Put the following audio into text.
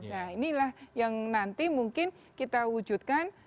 nah inilah yang nanti mungkin kita wujudkan